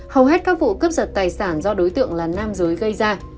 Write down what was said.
hầu hết các vụ cướp giật tài sản do đối tượng là nam giới gây ra